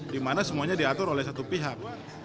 di mana semuanya diatur oleh satu pihak